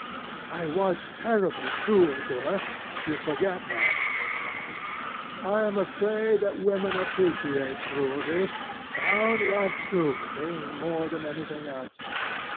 "I was terribly cruel to her. You forget that." "I am afraid that women appreciate cruelty, downright cruelty, more than anything else.